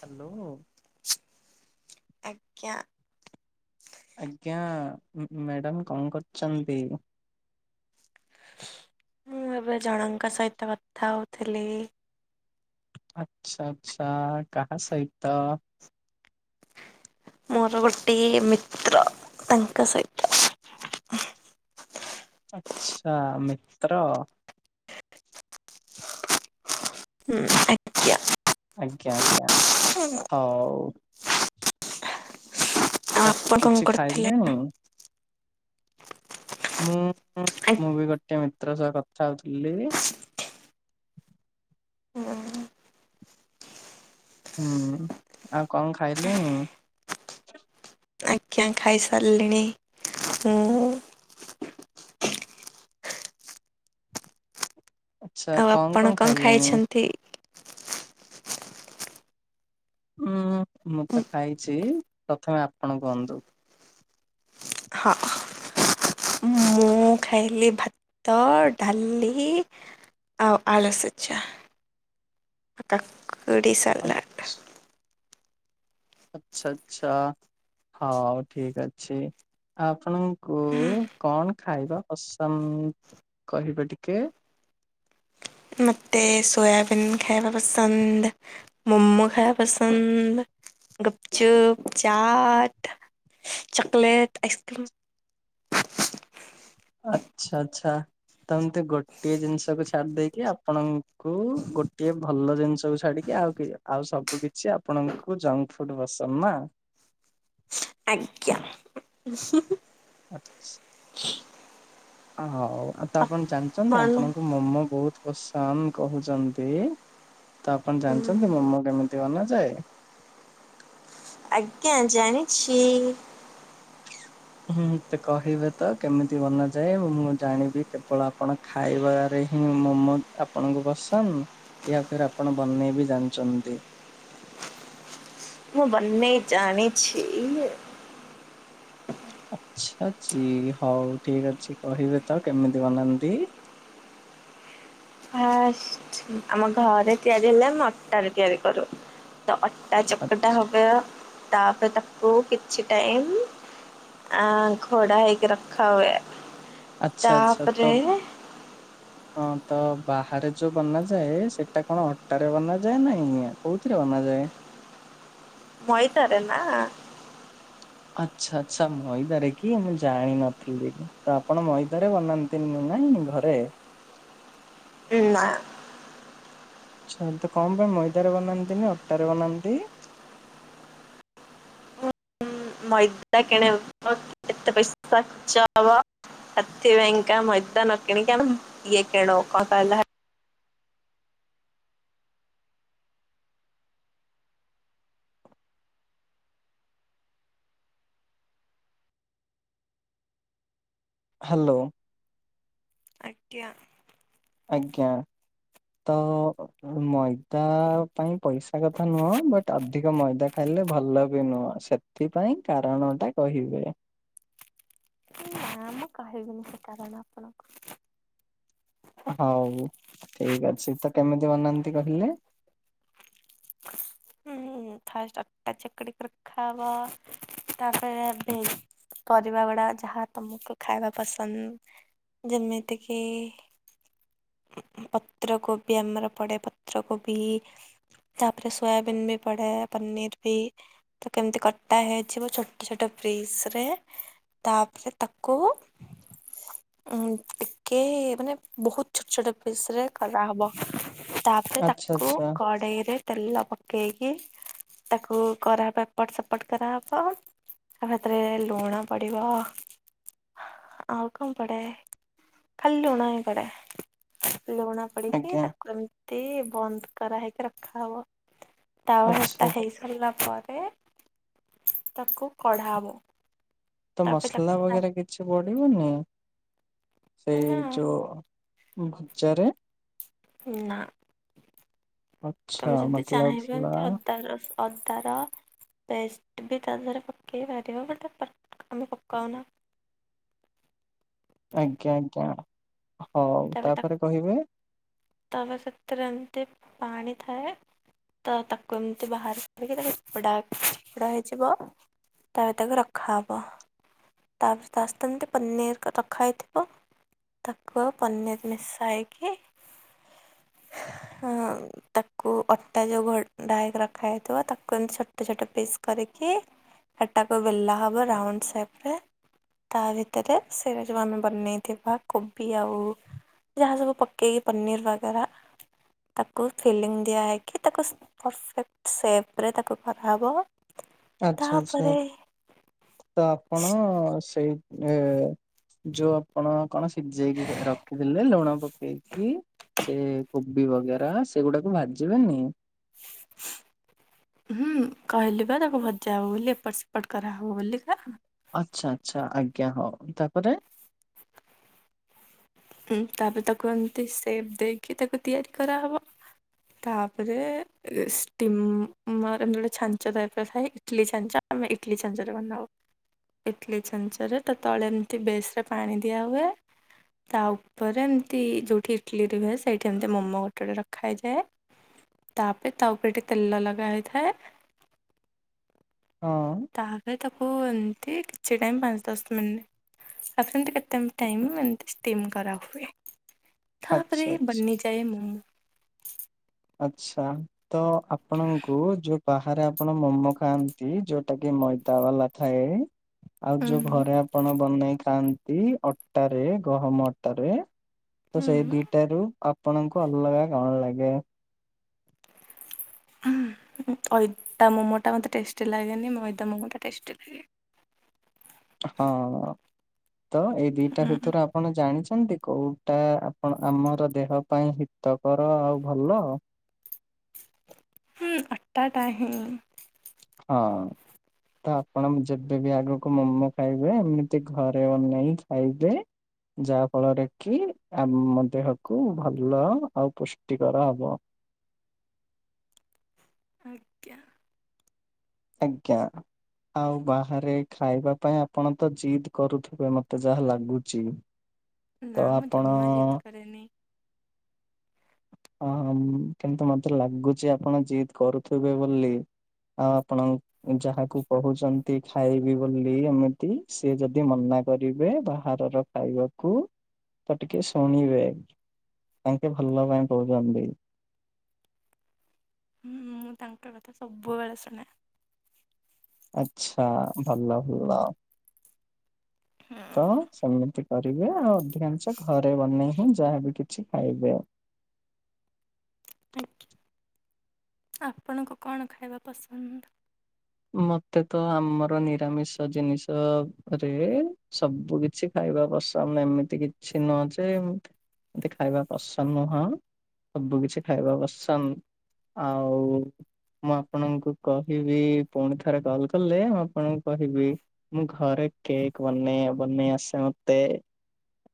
Hello. ଆଜ୍ଞା। ଆଜ୍ଞା madam କଣ କରୁଛନ୍ତି? ମୁଁ ଏବେ ଜଣଙ୍କ ସହିତ କଥା ହଉଥିଲି। ଆଚ୍ଛା ଆଚ୍ଛା କାହା ସହିତ? ମୋର ଗୋଟେ ମିତ୍ର, ତାଙ୍କ ସହିତ। ଆଚ୍ଛା ମିତ୍ର? ହୁଁ [unintelligible] ଆଜ୍ଞା ଆଜ୍ଞା ଆଉ ହଉ। ଆ ତ ଆପା କଣ କିଛି କରିୁଥିଲେ? ଖାଇଲେଣି? ମୁଁ ମୁଁ ବି ଗୋଟେ [unintelligible] ମିତ୍ର ସହ କଥା ହଉଥିଲି। ହୁଁ ଆଉ କଁ ଖାଇଲେଣି? ଆଜ୍ଞା ଖାଇ ସାରିଲିଣି ମୁଁ। ଆଚ୍ଛା ଆ କଣ ଆପଣ କଣ କଁ ଖାଇଲେଣି? ଖାଇଛନ୍ତି? ହୁଁ ମୁଁ ତ ଖାଇଛି ପ୍ରଥମେ ଆପଣ କୁହନ୍ତୁ। ହଁ। ମୁଁ ଖାଇଲି ଭାତ, ଡାଲି ଆଉ ଆଳୁ ସିଝା, କାକୁଡି ସାଲାଡ। ଆଚ୍ଛା ଆଚ୍ଛା ହଉ ଠିକ ଅଛି। ଆପଣଙ୍କୁ କଣ ଖାଇବା ପସନ୍ଦ କହିବେ ଟିକେ? ମୋତେ ସୋୟାବିନ୍ ଖାଇବା ପସନ୍ଦ, ମୋମୋ ଖାଇବା ପସନ୍ଦ। Gupchup, chaat, chocolate, ice cream. ଆଚ୍ଛା ଆଚ୍ଛା ତ ଏମିତି ଗୋଟିଏ ଜିନିଷକୁ ଛାଡି ଦେଇକି କି ଆପଣଙ୍କୁ ଗୋଟିଏ ଭଲ ଜିନିଷକୁ ଛାଡିକି ଆଉ କେଇ ଆଉ ସବୁ କିଛି ଆପଣଙ୍କୁ ଜଙ୍କ ଫୁଡ୍ ପସନ୍ଦ ନା। ଆଜ୍ଞା। ଓହୋ। ହଉ ଆଉ ତ ଆପଣ ଜାଣିଛନ୍ତି ମନୁ ଆପଣଙ୍କୁ ମୋମୋ ବହୁତ ପସନ୍ଦ କହୁଛନ୍ତି। ତ ଆପଣ ଜାଣିଛନ୍ତି ମୋମୋ କେମିତି ବନା ଯାଏ। ଆଜ୍ଞା ଜାଣିଛି। ହୁଁ ତ କହିବେ ତ କେମିତି ବନାଯାଏ ମୁଁ ଜାଣିବି କେବଳ ଆପଣ ଖାଇବାରେ ହଁ ମୋମୋ ଆପଣଙ୍କୁ ପସନ୍ଦ ୟା ଫେରେ ଆପଣ ବନେଇ ବିି ଜାଣିଛନ୍ତି। ମୁଁ ବନେଇ ଜାଣିଛି। ଆଚ୍ଛା ଜି ହଉ ଠିକ ଅଛି କହିବେ ତ କେମିତି ବନାନ୍ତି। ଫାର୍ଷ୍ଟ ଆମ ଘରେ ତିଆରି ହେଲେ ଆମେ ଅଟାରେ ତିଆରି କରୁ ତ ଅ ତା ଚକଟା ହବ ତାପ ତାକୁ କିଛି ଟାଇମ୍। ଆଁ ଘୋଡ଼ା ହେଇକି ରଖା ହୁଏ। ଆଚ୍ଛା ଆଚ୍ଛା ତାପରେ। ତ ହଁ ତ ବାହାରେ ଯୋଉ ବନାଯାଏ ସେଟା କଣ ଅଟାରେ ବନାଯାଏ ନାଇଁ ଆଜ୍ଞା କୋଉଥିରେ ବନାଯାଏ? ଏ ମଇଦାରେ ନା। ଆଚ୍ଛା ଆଚ୍ଛା ମଇଦାରେ କି ମୁଁ ଜାଣିନଥିଲି ତ ଆପଣ ମଇଦାରେ ବନାନ୍ତିନି। ନାଇଁ ଘରେ। ନା। ଆଚ୍ଛା ତ କଣ ପାଇଁ ମଇଦାରେ ବନାନ୍ତିନି ଅଟାରେ ବନାନ୍ତି। ଉଁ ମଇଦା କିଣା କେତେ ପଇସା ଖର୍ଚ ହବ। ହେଥିପାଇଁ ଙ୍କ ମଇଦା ନ କିଣିକି ଆମେ ଇଏ କିଣୁ କଣ କହିଲ ହେ। ହାଲୋ। ଆଜ୍ଞା। ଆଜ୍ଞା ତ ମ ଇଦା ପାଇଁ ପଇସା କଥା ନୁହଁ ବଟ୍ ଅଧିକ ମଇଦା ଖାଇଲେ ଭଲ। ବି ନୁହଁ ସେଥିପାଇଁ କାରଣ ଟା କହିବେ। ନା ମୁଁ କହିବିନି ସେ କାରଣ ଆପଣଙ୍କୁ। ହଉ ଠିକ ଅଛି ତ କେମିତି ବନାନ୍ତି କହିଲେ? ହୁଁ। ଫାଷ୍ଟ ଅଟା ଚକଡି କି ରଖା ହବ ତାପରେ ବେ ପରିବା ଗୁଡା ଯାହା ତମକୁ ଖାଇବା ପସନ୍ଦ। ଯେମିତି କି। ପତ୍ରକୋବି ଆମର ପଡେ ପତ୍ରକୋବି ତାପରେ ସୋୟାବିନ ବି ପଡେ ପନିର ବି ତ କେମିତି କଟା ହେଇଯିବ ଛୋଟ ଛୋଟ ପ୍ରିସ ରେ। ଏ ତାପରେ ତାକୁ ଉଁ ଟିକେ ମାନେ ବହୁତ ଛୋଟ ଛୋଟ ପିସ ରେ କରାହବ। ତାପରେ ଆଚ୍ଛା ତାକୁ ଆଚ୍ଛା କଢେଇ ରେ ତେଲ ପ ପକେଇକି ତାକୁ କରାହବ ଏପଟ ସେପଟ କରାହବ। ଆଉ ହେତିରେ ଲୁଣ ପଡ଼ିବ। ଆଉ କଣ ପଡେ ଖାଲି ଲୁଣ ହିଁ ପଡ଼େ। ଲୁଣ ପଡିକି ଆଜ୍ଞା ତାକୁ ଏମିତି ବନ୍ଦ କରାହେଇକି ରଖାହବ। ତାୱା ଟା ଆଚ୍ଛା ହେଇ ସାରିଲା ପରେ ତାକୁ କଢାହବ। ତ ମସଲା ବଗେରା କିଛି ପଡିବନି। ନା ସେଇ ଯୋଉ ଭଜାରେ। ନା ଆଚ୍ଛା ତମେ ଯଦି ମତେ ଚାହିଁବେ ଲାଗୁଥିଲା ତ ଅଦା ରସ। ଅଦାର। ବେଷ୍ଟ ବି ତା ଧିଅରେ ପକେଇ ପାରିବ ବଟ ଟା ଦ ଆମେ ପକାଉନା। [inaudible] ଆଜ୍ଞା ଆଜ୍ଞା। ହଉ ତାପରେ କହିବେ। ତାପରେ ସେଥିରେ ଏମିତି ପାଣି ଥାଏ। ତ ତାକୁ ଏମିତି ବାହାର କରିକି ତାକୁ ଚିପୁଡ଼ା ଚିପୁଡା ହେଇଯିବ। ତାପରେ ତାକୁ ରଖାହବ। ତାପରେ ତା ସହିତ ଏମତି ପନିର ର-ରଖା ହେଇଥିବ ତାକୁ ପନିର ମିଶା ହେଇକି ଆଁ ତାକୁ ଅଟା ଯୋଉ ଘୋଢା ହେଇକି ରଖା ହେଇଥିବ ତାକୁ ଏମିତି ଛୋଟ ଛୋଟ ପିସ୍ କରି। କି ହେଟାକୁ ବେଲା ହବ ରାଉଣ୍ଡ ସେପ ରେ। ତା ଭିତରେ ସେ ଯୋଉ ଆମେ ବନେଇଥିବା କୋବି ଆଉ ଯାହା ସବୁ ପକେଇକି ପନୀର୍ ବାଗେରା ତାକୁ ଫିଲିଙ୍ଗ ଦିଆହେଇକି ତାକୁ ପରଫେକ୍ଟ ସେପ ରେ ତାକୁ କରାହବ। ଆଚ୍ଛା ଆଚ୍ଛା ତାପରେ ତ ଆପଣ ସ ସେଇ ଅ ଯୋଉ ଆପଣ କଣ ସିଝେଇକି ର-ରଖିଥିଲେ ଲୁଣ ପକେଇକି ସେ କୋ କୋବି ବଗେରା ସେଗୁଡାକୁ ଭାଜିବେନି। ହୁଁ କହିଲି ବା ତାକୁ ଭଜା ହବ ବୋଲି ଏପଟ ସେ ଏପଟ କରା ହବ ବୋଲିକା। ଆଚ୍ଛା ଆଚ୍ଛା ଆଜ୍ଞା ହଉ ତାପରେ ହୁଁ ତାପରେ ତାକୁ ଏମତି ସେପ ଦେଇକି ତାକୁ ତିଆରି କରାହବ। ତାପରେ ଷ୍ଟିମର ମିଳେ ଛାଞ୍ଚ ଟାଇପ ଥାଏ ଇଟଲି ଛାଞ୍ଚ। ଆମେ ଇଟଲି ଛାଞ୍ଚରେ ବନାଉ। ଇଟଲି ଛାଞ୍ଚରେ ତା ତଳେ ଏମତି ବେସ ରେ ପାଣି ଦିଆହୁଏ। ତା ଉପରେ ଏମିତି ଯୋଉଠି ଇଟଲି ରୁହେ ସେଇଠି ଏମିତି ମୋମୋ ଗୋଟେ ଗୋଟେ ରଖାଯାଏ। ତାପରେ ତା ଉପରେ ଟିକେ ତେଲ ଲଗା ହେଇଥାଏ। ହଁ ତାପରେ ତାକୁ ଏମତି କିଛି ଟାଇମ୍ ପାଞ୍ଚ ଦଶ ମିନିଟ ଆକୁ ଏମିତି କେତେ ଟାଇମ୍ ଏମିତି ଷ୍ଟିମ୍ କରାହୁଏ। ତାପରେ ଆଚ୍ଛା ଆଚ୍ଛା ବନି ଯାଏ ମୋମୋ। ଆଚ୍ଛା ତ ଆପଣଙ୍କୁ ଯୋଉ ବାହାରେ ଆପଣ ମୋମୋ ଖାଆନ୍ତି ଯୋଉଟା କି ମଇ ଦା ବାଲା ଥାଏ। ଆଉ ଉଁ ଯୋଉ ଘରେ ଆପଣ ବନେଇ ଖାଆନ୍ତି ଅଟାରେ ଗହମ ଅଟାରେ। ତ ହୁଁ ସେଇ ଦିଟାରୁ ଆପଣଙ୍କୁ ଅଲଗା କଣ ଲାଗେ? ହୁଁ। ଅଇଦା ମୋମୋ ଟା ମୋତେ ଟେଷ୍ଟି ଲାଗେନି ମଇଦା ମୋମୋ ଟା ଟେଷ୍ଟି ଲାଗେ। ହଁ ତ ଏଇ ଦିଟା ହୁଁ ଭିତରୁ ଆପଣ ଜାଣିଛ ଛନ୍ତି କୋଉଟା ଆପଣ ଆମର ଦେହ ପାଇଁ ହିତକର ଆଉ ଭଲ? ହୁଁ ଅଟାଟା ହିଁ। ହଁ। ତ ଆପଣ ଯେବେବି ଆଗକୁ ମୋମୋ ଖାଇବେ ଏମିତି ଘରେ ବନେଇ ଖାଇବେ। ଯାହା ଫଳରେ କି ଆମ ଦେହକୁ ଭଲ ଆଉ ପୁଷ୍ଟିକର ହବ। ଆଜ୍ଞା। ଆଜ୍ଞା। ଆଉ ବାହାରେ ଖାଇବା ପାଇଁ ଆପଣ ତ ଜିଦ୍ କରୁଥିବେ ମତେ ଯାହା ଲାଗୁଚି। ନାଁ ମୁଁ ଜମା ଜିଦ୍ କରେନି। ହଁ କିନ୍ତୁ ମତେ ଲାଗୁଛି ଆପଣ ଯିଦ କରୁଥିବେ ବୋଲି। ଆଉ ଆପଣ ଯାହାକୁ କହୁଛନ୍ତି ଖାଇବି ବୋଲି ଏମିତି ସେ ଯଦି ମନା କରିବେ ବାହାରର ଖାଇବାକୁ ତ ଟିକେ ଶୁଣିବେ। ତାଙ୍କେ ଭଲ ପାଇଁ କହୁଛନ୍ତି। ହୁଁ ମୁଁ ତାଙ୍କ କଥା ସବୁବେଳେ ଶୁଣେ। ଆଛା ଭଲ ଭଲ ହୁଁ ତ ସେମିତି। କରିବେ ଆଉ ଅଧିକାଂଶ ଘରେ ବନେଇ ହଁ ଯାହାବି କିଛି ଖାଇବେ ଆଉ ଆଜ୍ଞା ଆପଣଙ୍କୁ କଣ ଖାଇବା ପସନ୍ଦ? ମତେ ତ ଆମର ନିରାମିଷ ଜିନିଷ ରେ ସବୁ କିଛି ଖାଇ ଖାଇବା ପସନ୍ଦ ଏମିତି କିଛି ନୁହଁ ଯେ ଏମତି ଏ ମିତିଖାଇବା ପସନ୍ଦ ନୁହଁ ସବୁ କିଛି ଖାଇବା ପସନ୍ଦ୍। ଆଉ ମୁଁ ଆପଣଙ୍କୁ କହିବି ପୁଣି ଥରେ କଲ କଲେ ମୁଁ ଆପଣଙ୍କୁ କହିବି ମୁଁ ଘରେ କେକ୍ ବନେଇ -ବନେଇ ଆସେ ମତେ ତେ [inaudible]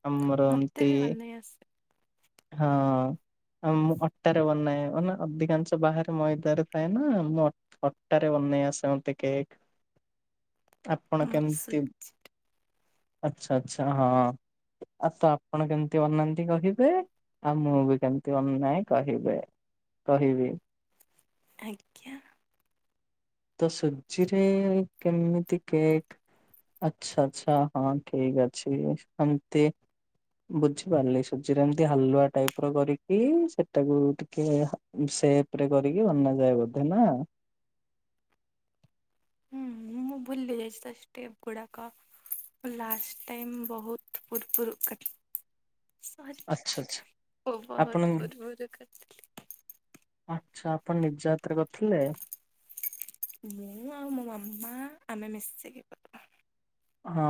ମତେ ଆମରନ୍ତି। ବି ବନେଇ ଆସେ ହଁ। ଆ ମୁଁ ଅଟାରେ ବନାଏ ଅନା ଅଧିକାଂଶ ବାହାରେ ମଇଦାରେ ଥାଏ ନା ମୁଁ ଅ ଅଟାରେ ବନା ନେଇ ଆସେ ମତେ କେକ୍। [inaudible] ଆପଣ ଆମର ସୁ କେମିତି ଆଚ୍ଛା ଆଚ୍ଛା ହ ତ ଆପଣ କେମୀତି ବନାନ୍ତି କହିବେ ଆଉ ମୁଁ ବି କେମତି ବନାଏ କହିବେ କହିବି ଆଜ୍ଞା। ତ ସୁଜିରେ କେମିତି କେକ୍ ଆଚ୍ଛା ଆଚ୍ଛା ହଁ ଠିକ ଅଛି ଏମତି ବୁଝିପାରିଲି ସୁଜିରେ ଏମତି ହାଲୁଆ ଟାଇପ ର କରିକି ସେଟାକୁ ଟିକେ ହା ସେପ ରେ କରିକି ବନା ଯାଏ ବୋଧେ ନା ହୁଁ ମୁଁ ଭୁଲି ଯାଇଛି ତ ଷ୍ଟେପ ଗୁଡ଼ାକ ଲାଷ୍ଟ ଟାଇମ ବହୁତ ଫୁୁରପୁରୋ କା ସରି ଆଚ୍ଛା ଆଚ୍ଛା। ଆପଣ ବହୁତ ବୁର ବୁର କରିଥିଲି। ଆଚ୍ଛା ଆପଣ ନିଜ ହାତରେ କରିଥିଲେ ମୁଁ ଆଉ ମୋ ମାମା ଆମେ ମିଶିକି କଲୁ। ହଁ।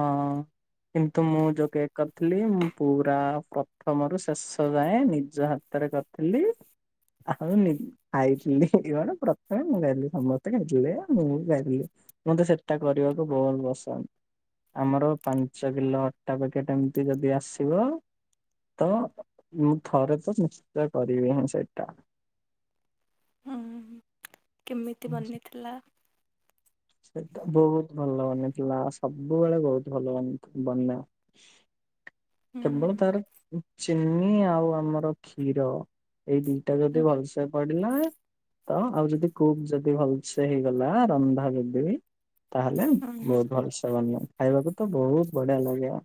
କିନ୍ତୁ ମୁଁ ଯୋଉ କେକ୍ କରିଥିଲି ମୁଁ ପୁରା ପ୍ରଥମରୁ ଶେଷ ଯାଏ ନିଜ ହାତ ଥରେ କରିଥିଲି ଆଉ ନି - ଖାଇଥିଲି ଇଏ କଣ ପ୍ରଥମେ ମୁଁ ଖାଇଥିଲିି ସମସ୍ତେ ଖାଇଥିଲେ ଆଉ ମୁଁ ବି ଖାଇଥିଲି। ମତେ ସେଟା କରିବାକୁ ବହୁତ ପସନ୍ଦ। ଆମର ପାଞ୍ଚ କିଲୋ ଅଟା ପ୍ୟାକେଟ ଏମିତି ଯଦି ଆସିବ ତ ମୁଁ ଥରେ ତ ନିଶ୍ଚୟ କରିବି ହିଁ ସେଇଟା ହୁଁ କେମିତି [unintelligible] ବନିଥିଲା ସେଟା ବହୁତ ଭଲ ଵନେ ନେ ଥିଲା ସବୁବେଳେ ବହୁତ ଭଲ ବତ ବନେ ହୁଁ କେବଳ ତାର ଉ ଚିନି ଆଉ ଆମର କ୍ଷୀର ଏଇ ଦିଟା ଯଦି ହୁଁ ଭଲସେ ପଡିଲା ତ ଆଉ ଯଦି କୁକୁ ଯଦି ଭଲସେ ହେଇଗଲା ରନ୍ଧା ଯଦି ତାହେଲେ ହୁଁ ବହୁତ ଭଲସେ ବନିବ ଖାଇବାକୁ ତ ବହୁତ ବଢିଆ ଲାଗିବ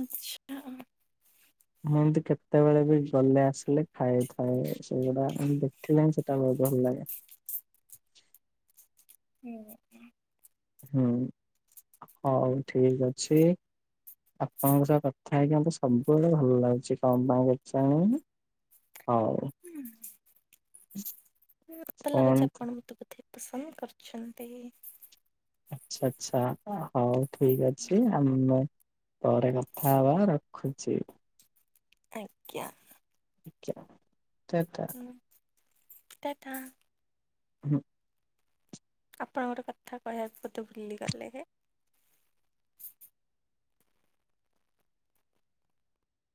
ଆଛା ମୁଁ ଏମୀତି କେତେବେଳେ ବି ଗଲେ ଆସିଲେ ଖାଇଥାଏ ସେଇଗୁଡା ଦେଖିଲାଣି ସେ ଟା ବହୁତୁ ଭଲ ଲାଗେ ହୁଁ ହୁଁ ହଉ ଠିକ ଅଛି। ଆପଣଙ୍କ ସହ କଥା ହେଇକି ମତେ ସବୁବେଳେ ଭଲ ଲାଗୁଛି କଣ ପାଇଁ କେଜାଣି। ହଉ। ହୁଁ। ହଁ [inaudible] ମତେ ଲାଗୁଛି ଆପଣ ମତେ ବୋଧେ ପସନ୍ଦ କରୁଛନ୍ତି। ଆଚ୍ଛା ଆଛା ହଉ ଠିକ ଅଛି ଆମେ ପରେ କଥା ହବା ରଖୁଛି। ଆଜ୍ଞା। ଯା ଟା ଟା। ଟା ଟା। ହୁଁ। ଆପଣ ଗୋଟେ କଥା କହିବାକୁ ବୋଧେ ଭୁଲିଗଲେ ହେ